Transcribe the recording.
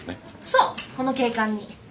そうこの警官に。